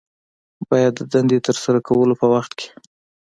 باید د دندې د ترسره کولو په وخت کې